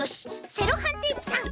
セロハンテープさん。